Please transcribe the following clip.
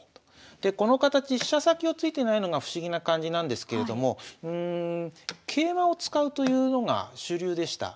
でこの形飛車先を突いてないのが不思議な感じなんですけれども桂馬を使うというのが主流でした。